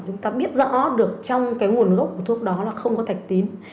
chúng ta biết rõ được trong cái nguồn gốc của thuốc đó là không có thạch tín